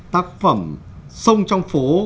tác phẩm sông trong phố